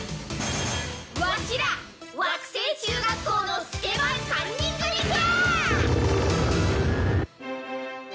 わしら惑星中学校のスケ番３人組じゃ！